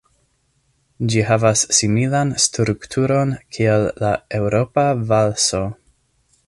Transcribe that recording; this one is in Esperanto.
Ĝi havas similan strukturon kiel la Eŭropa valso.